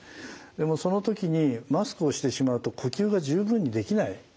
でもその時にマスクをしてしまうと呼吸が十分にできない。